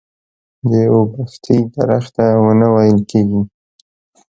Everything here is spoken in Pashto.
د اوبښتې درخته ونه ويل کيږي.